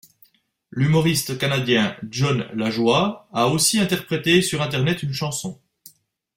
L'humoriste canadien Jon Lajoie a aussi interprété sur internet une chanson.